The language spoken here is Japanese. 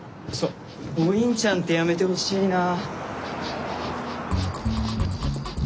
ボインちゃんってやめてほしいなぁ。